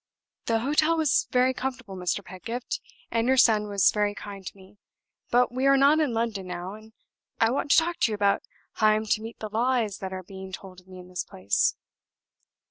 "The hotel was very comfortable, Mr. Pedgift, and your son was very kind to me. But we are not in London now; and I want to talk to you about how I am to meet the lies that are being told of me in this place.